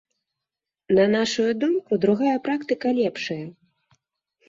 На нашую думку, другая практыка лепшая.